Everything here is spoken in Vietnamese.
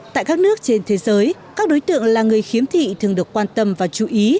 tại các nước trên thế giới các đối tượng là người khiếm thị thường được quan tâm và chú ý